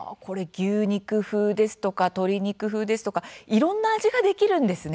牛肉風ですとか鶏肉風ですとかいろんな味ができるんですね。